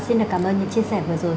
xin cảm ơn những chia sẻ vừa rồi